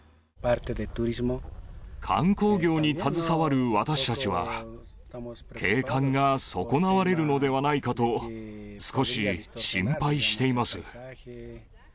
観光業に携わる私たちは、景観が損なわれるのではないかと、少し心配しています。